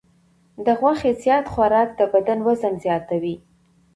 د غوښې زیات خوراک د بدن وزن زیاتوي.